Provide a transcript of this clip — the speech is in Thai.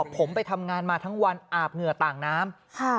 ผมไปทำงานมาทั้งวันอาบเหงื่อต่างน้ำ